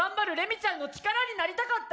ちゃんの力になりたかった。